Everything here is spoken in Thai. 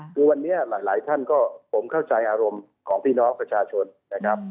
คือวันนี้หลายท่านก็ผมเข้าใจอารมณ์ของพี่น้องประชาชนนะครับ